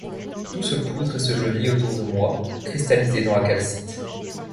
Tout se poudre et se jaunit autour de moi, cristallisé dans la calcite.